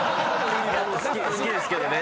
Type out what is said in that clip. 好きですけどね。